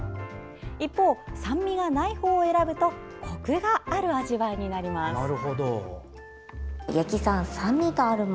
一方、酸味がないほうを選ぶとコクがある味わいになります。